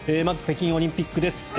まず北京オリンピックです。